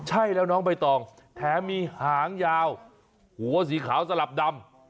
ใช่แล้วน้องใบตองแถมมีหางยาวหัวสีขาวสลับดำ